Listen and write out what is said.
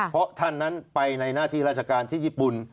เพราะท่านนั้นไปในหน้าที่ราชการที่ญี่ปุ่น